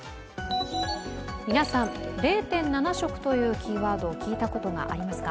皆さん、０．７食というキーワードを聞いたことがありますか？